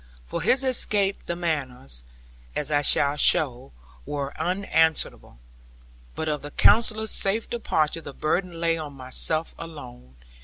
For his escape the miners, as I shall show, were answerable; but of the Counsellor's safe departure the burden lay on myself alone.